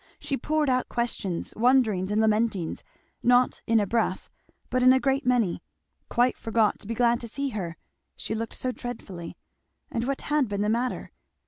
She poured out questions, wonderings and lamentings, not "in a breath" but in a great many; quite forgot to be glad to see her, she looked so dreadfully; and "what had been the matter?"